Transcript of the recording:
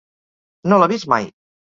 No l'ha vist mai.